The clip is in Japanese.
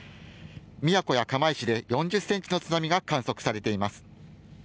宮古や釜石で４０ｃｍの津波が観測されています。